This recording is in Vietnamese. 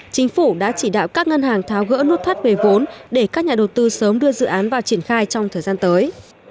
chính phủ đã chỉ đạo các ngân hàng tháo gỡ nút thắt về vốn để các nhà đầu tư sớm đưa dự án vào triển khai trong thời gian tới